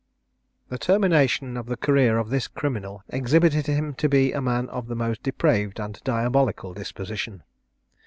The termination of the career of this criminal exhibited him to be a man of the most depraved and diabolical disposition.